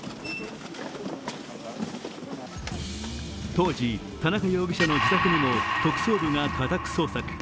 当時、田中容疑者の自宅にも特捜部が家宅捜索。